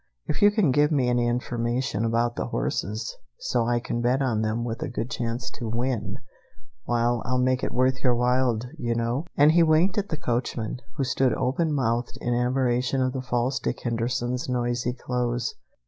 If you can give me any information about the horses, so I can bet on them with a good chance to win, why I'll make it worth your while, you know." And he winked at the coachman, who stood open mouthed in admiration of the false Dick Henderson's noisy clothes.